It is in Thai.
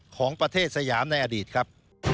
ของประเทศสยามในอดีตครับ